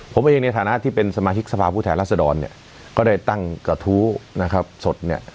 ผมเองในฐานะที่เป็นสมาชิกสภาพผู้แทนรัศดรเนี่ยก็ได้ตั้งกระทู้นะครับสดเนี่ย